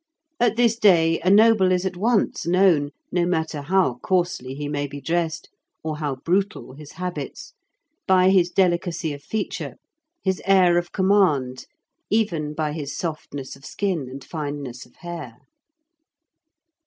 At this day a noble is at once known, no matter how coarsely he may be dressed, or how brutal his habits, by his delicacy of feature, his air of command, even by his softness of skin and fineness of hair.